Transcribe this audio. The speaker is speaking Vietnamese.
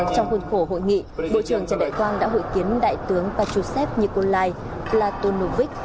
trong khuôn khổ hội nghị bộ trưởng trần đại quang đã hội kiến đại tướng pachusev nikolai latonovich